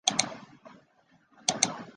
四百五十户。